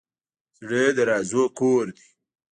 زړه د رازونو کور دی.